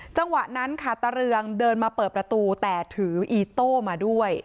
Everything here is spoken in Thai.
จังหวะนั้นค่ะตะเรืองเดินมาเปิดประตูแต่ถืออีโต้มาด้วย